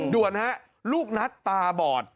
ด่วนฮะลูกนัทตาบอด